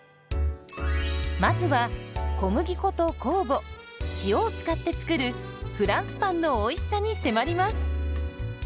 まずは小麦粉と酵母塩を使って作るフランスパンのおいしさに迫ります。